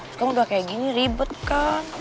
sekarang udah kayak gini ribet kah